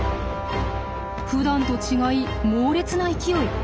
ふだんと違い猛烈な勢い。